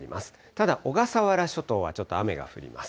ただ、小笠原諸島はちょっと雨が降ります。